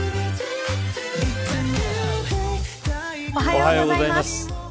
おはようございます。